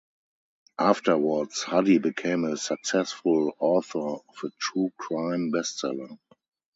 Afterwards, Huddy became a successful author of a "True Crime" bestseller.